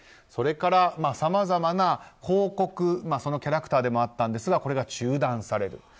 それから、さまざまな広告キャラクターでもあったんですがこれが中断される。